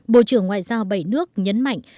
bộ trưởng ngoại giao bảy nước nhấn mạnh